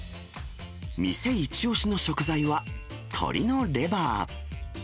店一押しの食材は、鶏のレバー。